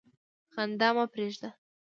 خندا مه پرېږده.